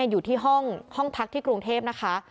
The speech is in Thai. อยู่ที่ห้องพักที่กรุงเทพนะคะ